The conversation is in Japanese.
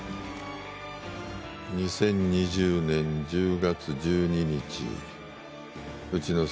２０２０年１０月１２日うちの